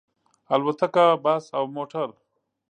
الوتکه، بس او موټر